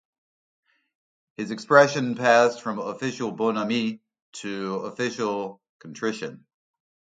His expression passed from official bonhomie to official contrition.